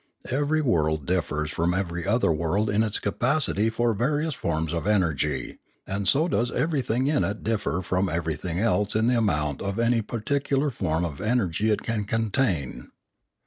Every world differs from every other world in its capacity for various forms of energy; and so does everything in it differ from everything else in the amount of any par ticular form of energy it can contain.